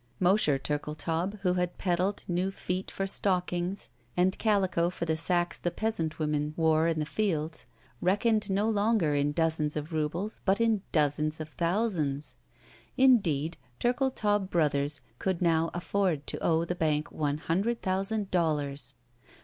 « Mosher Turkletaub, who had peddled new feet for stockings and calico for the sacques the peasant women wore in the fields, reckoning no longer in dozens of rubles but in dozens of thousands ! Indeed, Turkletaub Brothers could now afford to owe the bank one hundred thousand dollars!